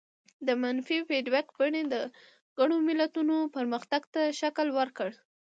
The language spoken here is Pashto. د منفي فیډبک بڼې د ګڼو ملتونو پرمختګ ته شکل ورکړ.